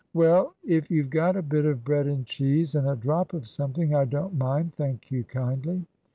"Well, if you've got a bit of bread and cheese and a drop of something, I don't mind, thank you kindly."